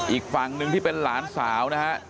อีกฝั่งหนึ่งที่เป็นหลานสาวนะฮะ